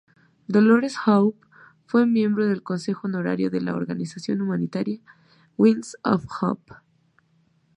Dolores Hope fue miembro del Consejo Honorario de la organización humanitaria "Wings of Hope".